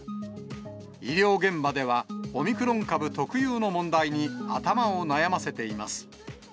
医療現場では、オミクロン株特有の問題に頭を悩ませています。